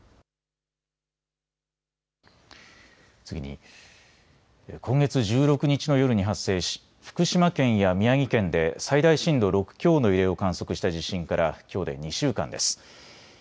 次に今月１６日の夜に発生し福島県や宮城県で最大震度６強の揺れを観測した地震からきょうで２週間です。